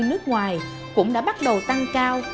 nước ngoài cũng đã bắt đầu tăng cao